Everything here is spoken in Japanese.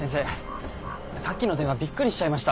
さっきの電話びっくりしちゃいました。